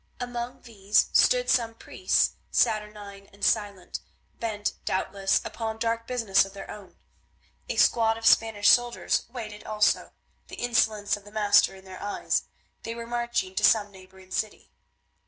Among these stood some priests, saturnine and silent, bent, doubtless, upon dark business of their own. A squad of Spanish soldiers waited also, the insolence of the master in their eyes; they were marching to some neighbouring city.